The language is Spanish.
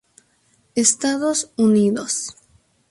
Estados Unidos.